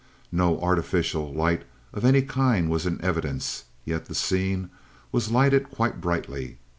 "No artificial light of any kind was in evidence, yet the scene was lighted quite brightly.